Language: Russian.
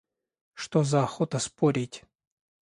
Что за охота спорить?